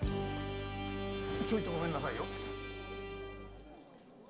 ちょっとごめんなさいよ。